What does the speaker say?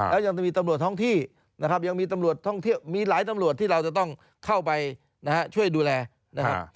แล้วยังจะมีตำรวจท้องที่นะครับยังมีตำรวจท่องเที่ยวมีหลายตำรวจที่เราจะต้องเข้าไปนะฮะช่วยดูแลนะครับ